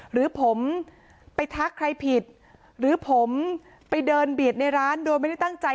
หรือผมไปทักใครผิดหรือผมไปเดินเบียดในร้านโดยไม่ได้ตั้งใจ